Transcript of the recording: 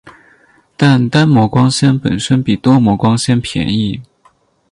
但单模光纤本身比多模光纤便宜。